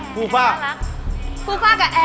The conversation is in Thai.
ฟูฟ่าแล้วแอ่น